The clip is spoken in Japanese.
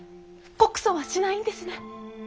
告訴はしないんですね？